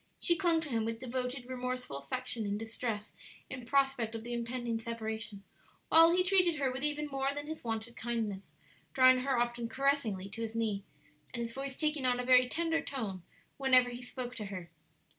She clung to him with devoted, remorseful affection and distress in prospect of the impending separation, while he treated her with even more than his wonted kindness, drawing her often caressingly to his knee, and his voice taking on a very tender tone whenever he spoke to her.